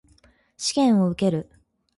試験を受ける。